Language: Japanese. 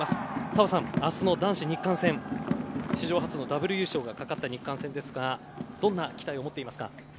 澤さん、明日の男子の日韓戦史上初のダブル優勝がかかった日韓戦ですがどんな期待を持っていますか？